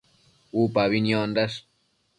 Upabi niondash